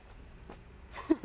フフ！